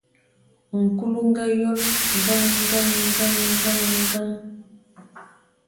Nkul o ngaayon: Kəŋ, kəŋ, kəŋ, kəŋ, kəŋ!.